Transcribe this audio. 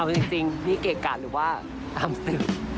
เอาจริงนี่เกรกกันหรือว่าตามสิ